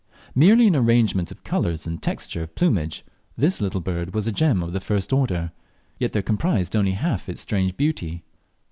Merely in arrangement of colours and texture of plumage this little bird was a gem of the first water, yet there comprised only half its strange beauty.